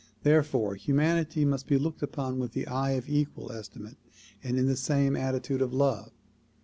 Therefore humanity must be looked upon with the eye of equal estimate and in the same attitude of love.